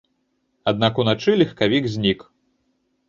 Аднак уначы легкавік знік.